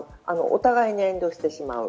お互いに遠慮してしまう。